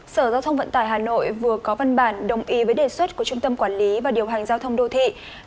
sở giao thông vận tải hà nội vừa có văn bản đồng ý với đề xuất của trung tâm quản lý và điều hành giao thông đô thị